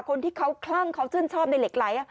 คนที่เขาคลั่งเขาชื่นชอบในเหล็กไหล